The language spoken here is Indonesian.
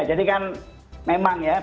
jadi kan memang ya